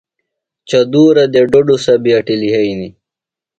چدُورہ دےۡ ڈوۡڈُسہ بیۡ اٹیۡ لِھئینیۡ۔